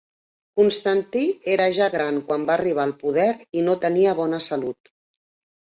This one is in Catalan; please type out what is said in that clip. Constantí era ja gran quan va arribar al poder i no tenia bona salut.